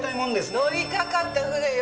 乗りかかった船よ。